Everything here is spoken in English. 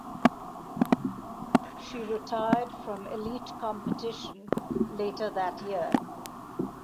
She retired from elite competition later that year.